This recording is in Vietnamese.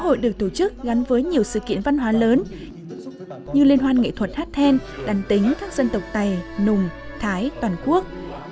năm hai nghìn một mươi năm lễ hội được tổ chức gắn với nhiều sự kiện văn hóa lớn như liên hoan nghệ thuật hát then đàn tính các dân tộc tài nùng thái toàn quốc